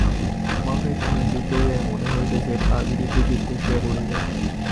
মাথা একটু নিচু করিলেই মনে হইতেছে পাগড়ি বুঝি খসিয়া পড়িবে।